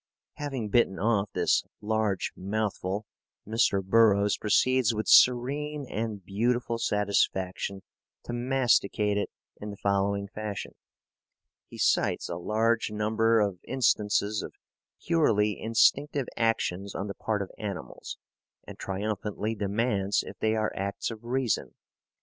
Having bitten off this large mouthful, Mr. Burroughs proceeds with serene and beautiful satisfaction to masticate it in the following fashion. He cites a large number of instances of purely instinctive actions on the part of animals, and triumphantly demands if they are acts of reason.